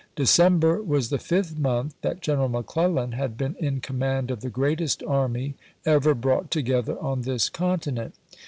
December was the fifth month that General McClellan had been in command of the greatest army ever brought to gether on this continent.